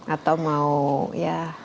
atau mau ya